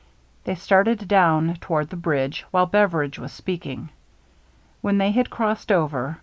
They started down toward the bridge while Beveridge was speaking. When they had crossed over.